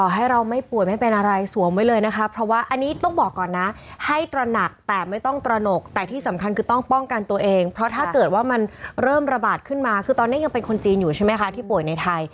ให้ตระหนักแต่ไม่ต้องตระหนกแต่ที่สำคัญคือต้องป้องกันตัวเองเพราะถ้าเกิดว่ามันเริ่มระบาดขึ้นมาคือตอนนี้ยังเป็นคนจีนอยู่ใช่ไหมคะที่ป่วยในไทย